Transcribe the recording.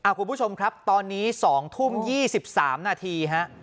คุณผู้ชมครับตอนนี้๒ทุ่ม๒๓นาทีฮะ